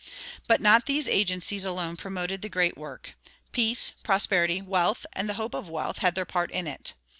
But not these agencies alone promoted the great work. Peace, prosperity, wealth, and the hope of wealth had their part in it.